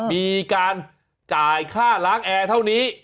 มีการจ่ายค่าล้างแอร์เท่านี้